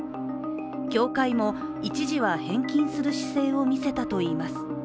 教会も一時は返金する姿勢を見せたといいます。